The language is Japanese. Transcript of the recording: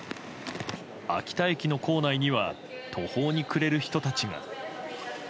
秋田駅の構内には途方に暮れる人たちが。